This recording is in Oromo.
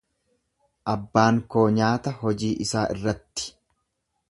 Abbaan koo nyaata hojii isaa irratti.